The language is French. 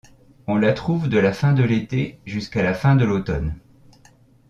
On la trouve de la fin de l’été jusqu’à la fin de l’automne.